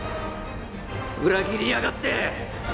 裏切りやがって！